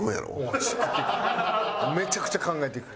めちゃくちゃ考えていく。